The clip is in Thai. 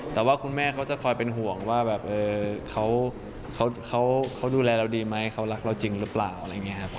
แต่ว่าคุณแม่เขาจะคอยเป็นห่วงว่าแบบเขาดูแลเราดีไหมเขารักเราจริงหรือเปล่าอะไรอย่างนี้ครับ